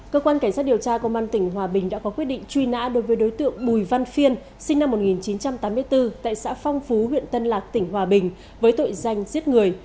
cơ quan cảnh sát điều tra công an tỉnh hòa bình đã có quyết định truy nã đối với đối tượng bùi văn phiên sinh năm một nghìn chín trăm tám mươi bốn tại xã phong phú huyện tân lạc tỉnh hòa bình với tội danh giết người